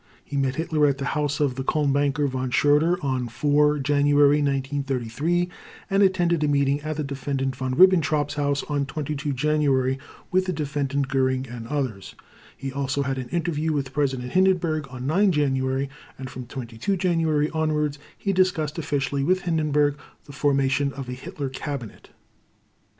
He met Hitler at the house of the Cologne banker Von Schröder on 4 January 1933, and attended a meeting at the Defendant Von Ribbentrop's house on 22 January, with the Defendant Göring and others. He also had an interview with President Hindenburg on 9 January, and from 22 January onwards he discussed officially with Hindenburg the formation of a Hitler Cabinet.